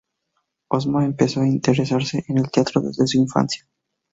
Osma empezó a interesarse en el teatro desde su infancia.